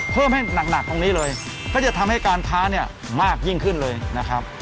เพิ่มให้หนักตรงนี้เลยก็จะทำให้การค้าเนี่ยมากยิ่งขึ้นเลยนะครับ